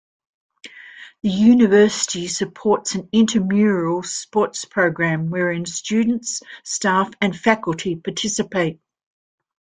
The university supports an intramural sports program wherein students, staff, and faculty participate.